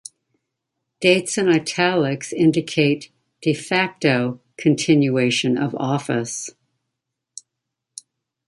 Dates in italics indicate "de facto "continuation of office.